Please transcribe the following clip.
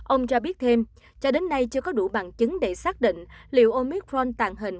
ông cho biết thêm cho đến nay chưa có đủ bằng chứng để xác định liệu omicron tàng hình